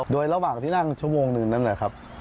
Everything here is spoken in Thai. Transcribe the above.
โดยระหว่างที่นั่งชั่วโมงหนึ่งนั้นนะครับ